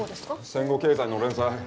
戦後経済の連載。